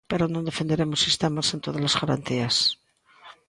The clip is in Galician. Pero non defenderemos sistemas sen todas as garantías.